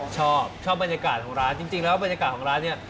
ชอบชอบบรรยากาศของร้านจริงแล้วบรรยากาศของร้านเนี่ย